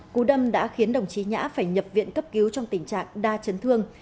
cú đâm đã khiến đồng chí nhã phải nhập viện cấp cứu trong tình trạng đa chấn thương